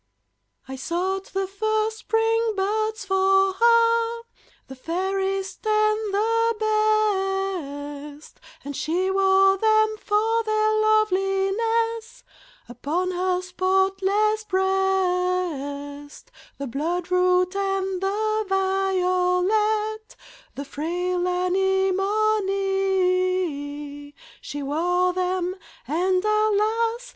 I sought the first spring buds for her, the fairest and the best, And she wore them for their loveliness upon her spotless breast, The blood root and the violet, the frail anemone, She wore them, and alas!